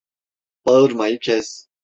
Bağırmayı kes!